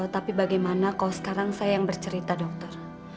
tapi bagaimana kalau sekarang saya yang bercerita dokter